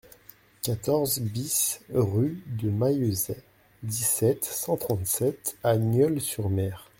quatorze BIS rue de Maillezais, dix-sept, cent trente-sept à Nieul-sur-Mer